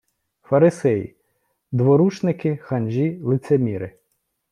Фарисеї - дворушники, ханжі, лицеміри